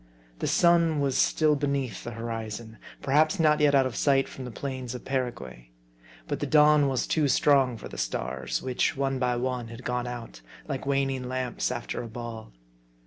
The sun was still beneath the horizon ; perhaps not yet out of sight from the plains of Paraguay. But the dawn was too strong for the stars ; which, one by one, had gone out, like waning lamps "after a ball.